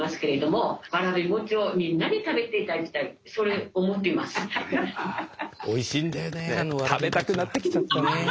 食べたくなってきちゃったね。